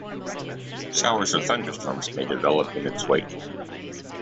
Showers or thunderstorms may develop in its wake.